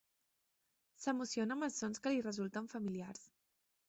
S'emociona amb els sons que li resulten familiars.